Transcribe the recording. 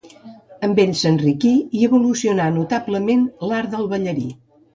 Amb ell s'enriquí i evolucionà notablement l'art del ballarí.